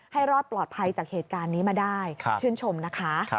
รอดปลอดภัยจากเหตุการณ์นี้มาได้ชื่นชมนะคะ